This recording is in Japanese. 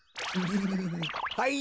はい！